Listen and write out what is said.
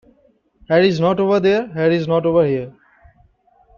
Harry's not over there, Harry's not over here.